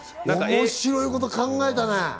面白いこと考えたね。